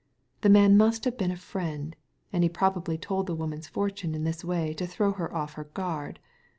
The man must have been a friend, and he probably told the woman's fortune in this way to throw her off her guard.